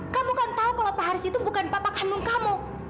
kamu kan tahu kalau pak haris itu bukan bapak kandung kamu